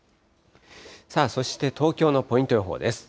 さあそして、東京のポイント予報です。